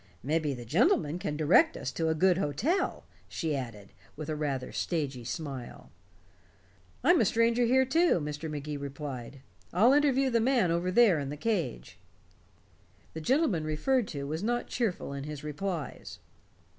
"Mebbe the gentleman can direct us to a good hotel," she added, with a rather stagy smile. "I'm a stranger here, too," Mr. Magee replied. "I'll interview the man over there in the cage." The gentleman referred to was not cheerful in his replies.